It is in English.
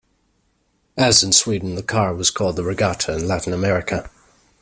As in Sweden, the car was called the Regatta in Latin America.